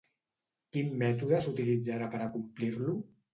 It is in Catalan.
Quin mètode s'utilitzarà per a complir-lo?